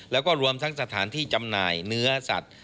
แล้วก็รวมทั้งสถานที่จำหน่ายเนื้อสัตว์